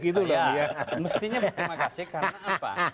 mestinya berterima kasih karena apa